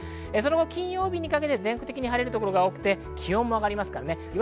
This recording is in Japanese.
その後、金曜日にかけて全国的に晴れる所が多く、気温も上がります。